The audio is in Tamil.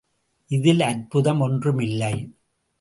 இதில் அற்புதம் ஒன்றுமில்லை.